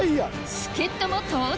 助っ人も登場？